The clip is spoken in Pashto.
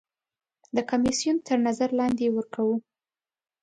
د کمیسیون تر نظر لاندې یې ورکوو.